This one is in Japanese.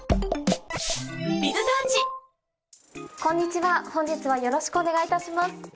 こんにちは本日はよろしくお願いいたします。